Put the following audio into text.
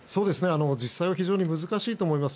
実際は非常に難しいと思います。